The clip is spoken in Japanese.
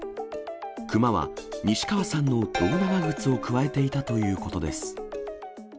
クマは、西川さんの胴長靴を加えていたということです。